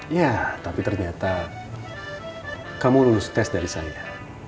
ya tapi ternyata kamu lulus tes dari saya